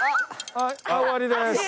はい終わりです。